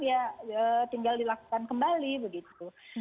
ya tinggal dilakukan kembali begitu